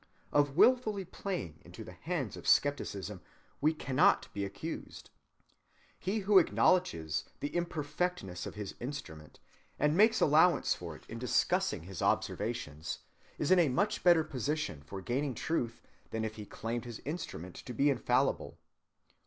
Of willfully playing into the hands of skepticism we cannot be accused. He who acknowledges the imperfectness of his instrument, and makes allowance for it in discussing his observations, is in a much better position for gaining truth than if he claimed his instrument to be infallible.